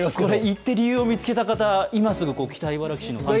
行って理由を見つけた方、今すぐ北茨城市の担当者に。